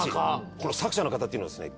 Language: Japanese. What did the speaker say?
この作者の方っていうのはですね